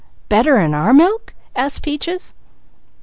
"Better 'an our milk?" asked Peaches.